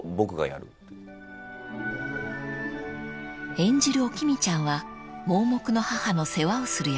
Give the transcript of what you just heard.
［演じるお君ちゃんは盲目の母の世話をする役］